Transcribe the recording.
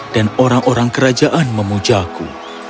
dan orang orang kerajaan memujaku